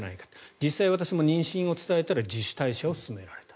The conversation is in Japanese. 実際、私も妊娠を伝えたら自主退社を勧められたと。